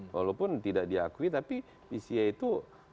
walaupun tidak diakui tapi pc itu